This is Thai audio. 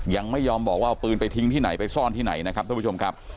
ยังไม่ยอมบอกว่าเอาปืนไปทิ้งที่ไหนไปซ่อนที่ไหนนะครับท่านผู้ชมครับ